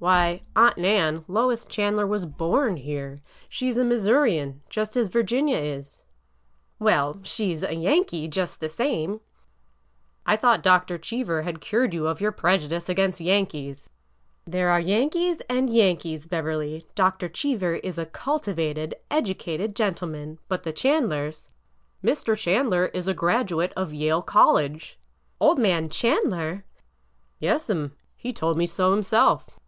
'''' Why, Aunt Nan, Lois Chandler was horn here. She is a Missourian, just as Virginia is." '' Well,— she 's a Yankee, just the same." " I thought Dr. Cheever had cured you of your preju dice against Yankees." " There are Yankees and Yankees, Beverly. Dr. Cheever is a cultivated, educated gentleman. But the Chandlers—" " Mr. Chandler is a graduate of Yale College." '' Old man Chandler !" '^Yes'm. He told me so himself."